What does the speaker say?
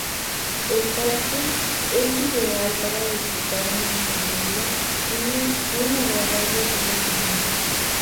El parque es ideal para disfrutar en familia un agradable fin de semana.